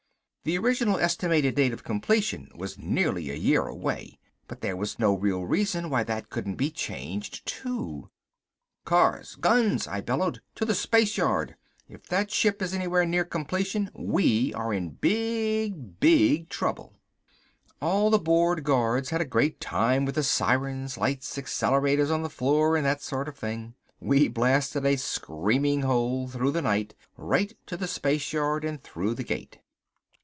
The original estimated date of completion was nearly a year away. But there was no real reason why that couldn't be changed, too. "Cars! Guns!" I bellowed. "To the spaceyard. If that ship is anywhere near completion, we are in big, big trouble!" All the bored guards had a great time with the sirens, lights, accelerators on the floor and that sort of thing. We blasted a screaming hole through the night right to the spaceyard and through the gate.